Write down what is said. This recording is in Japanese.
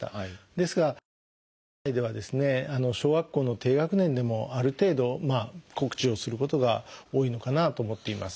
ですが現在ではですね小学校の低学年でもある程度告知をすることが多いのかなと思っています。